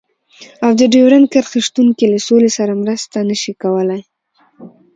او د ډيورنډ کرښې شتون کې له سولې سره مرسته نشي کولای.